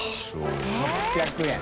６００円。